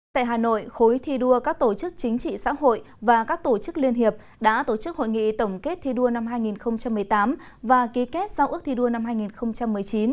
tại hà nội khối thi đua các tổ chức chính trị xã hội và các tổ chức liên hiệp đã tổ chức hội nghị tổng kết thi đua năm hai nghìn một mươi tám và ký kết giao ước thi đua năm hai nghìn một mươi chín